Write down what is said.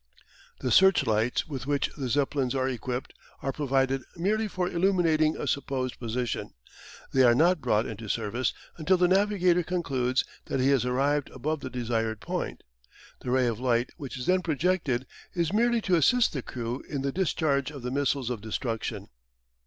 The searchlights with which the Zeppelins are equipped are provided merely for illuminating a supposed position. They are not brought into service until the navigator concludes that he has arrived above the desired point: the ray of light which is then projected is merely to assist the crew in the discharge of the missiles of destruction.